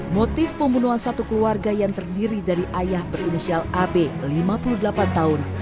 motif pembunuhan satu keluarga yang terdiri dari ayah berinisial ab lima puluh delapan tahun